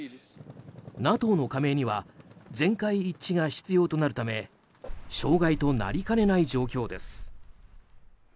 ＮＡＴＯの加盟には全会一致が必要となるため障害となりかねない状況です。